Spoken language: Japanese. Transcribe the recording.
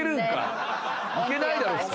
いけないだろ普通。